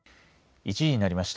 １時になりました。